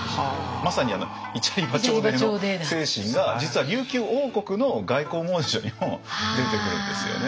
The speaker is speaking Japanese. まさにイチャリバチョーデーの精神が実は琉球王国の外交文書にも出てくるんですよね。